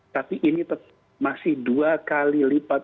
tapi ini masih dua kali lipat